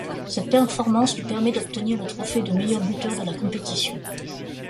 Cette performance lui permet d'obtenir le trophée de meilleur buteur de la compétition.